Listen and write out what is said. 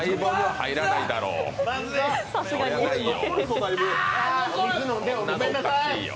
入らないよ。